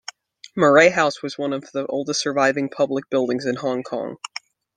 Murray House was one of the oldest surviving public buildings in Hong Kong.